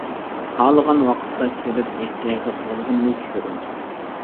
خالىغان ۋاقىتتا كىرىپ ئېھتىياجلىق بولغىنىنى چۈشۈرۈڭ.